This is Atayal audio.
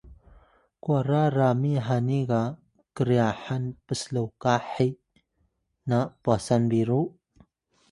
kwara rami hani ga kryaxan pslokah he na pwasan biru?